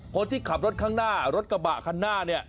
คนที่ขับรถข้างหน้ารถกระบะคันหน้าเนี่ย